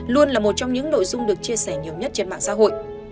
luôn là một trong những nội dung được chia sẻ nhiều nhất trên mạng xã hội